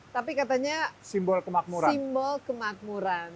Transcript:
tapi katanya simbol kemakmuran